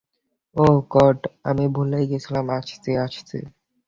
ওহ god, আমি ভুলেই গেছিলাম, আসছি, আসছি।